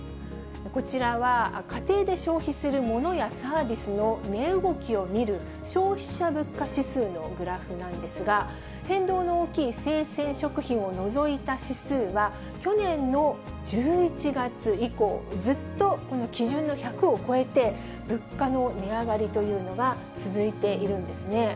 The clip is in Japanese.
こちらは、家庭で消費するものやサービスの値動きを見る消費者物価指数のグラフなんですが、変動の大きい生鮮食品を除いた指数は、去年の１１月以降、ずっとこの基準の１００を超えて、物価の値上がりというのが続いているんですね。